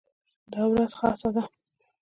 دا ورځ خاصه ده.